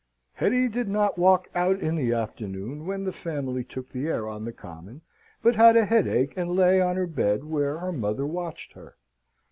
Hetty did not walk out in the afternoon when the family took the air on the common, but had a headache and lay on her bed, where her mother watched her.